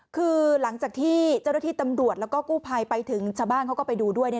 คือหลังจากที่เจ้าหน้าที่ตำรวจแล้วก็กู้ภัยไปถึงชาวบ้านเขาก็ไปดูด้วย